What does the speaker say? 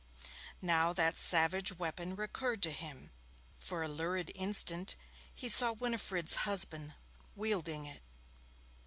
Now that savage weapon recurred to him for a lurid instant he saw Winifred's husband wielding it.